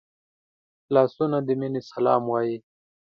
لاسونه د مینې سلام وايي